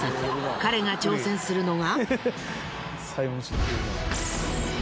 彼が挑戦するのが。